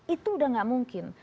itu sudah tidak mungkin